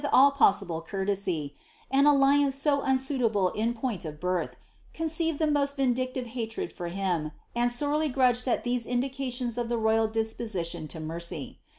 all possible courtesy, an aUiance so unsuitable in point of birth, e« eeired the most vindictive haired for him, and sorely grudged at till indications uf the royal disposition lo mercy.